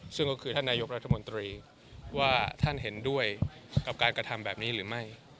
ซึ่งก็คือท่านนายกรัฐมนตรีว่าท่านเห็นด้วยกับการกระทำแบบนี้หรือไม่